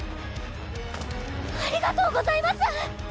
ありがとうございます！